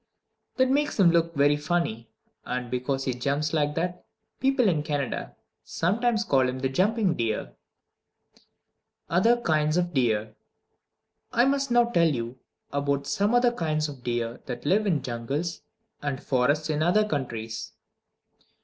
That makes him look very funny, and because he jumps like that people in Canada sometimes call him the jumping deer. Other Kinds of Deer I must now tell you about some other kinds of deer that live in jungles and forests in other countries.